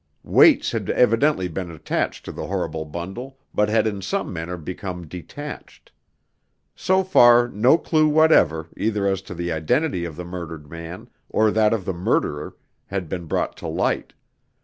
Weights had evidently been attached to the horrible bundle, but had in some manner become detached. So far no clue whatever, either as to the identity of the murdered man, or that of the murderer, had been brought to light.